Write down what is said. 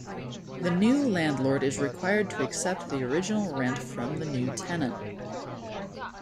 The new landlord is required to accept the original rent from the new tenant.